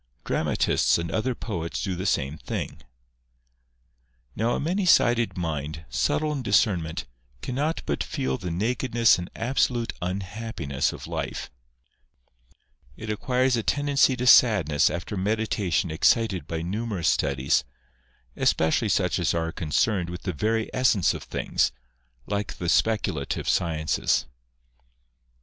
Dramatists and other poets do the same thing. Now a many sided mind, subtle in discernment, cannot but feel the nakedness and absolute unhappiness of life ; it acquires a tendency to sadness after meditation excited by numerous studies, especially such as are concerned with the very essence of things, like the speculative sciences.